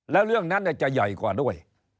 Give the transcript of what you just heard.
แล้วเรื่องนั้นจะใหญ่กว่าด้วย